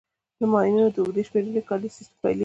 د مایانو د اوږدې شمېرنې کالیز سیستم پیلېږي